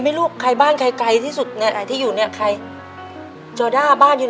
ในแคมเปญพิเศษเกมต่อชีวิตโรงเรียนของหนู